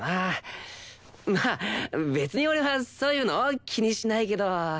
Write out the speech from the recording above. まあ別に俺はそういうの気にしないけど。